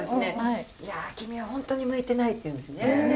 「いや君は本当に向いてない」って言うんですね。